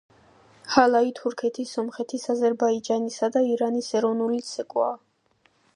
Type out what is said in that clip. ჰალაი თურქეთის, სომხეთის, აზერბაიჯანისა და ირანის ეროვნული ცეკვაა.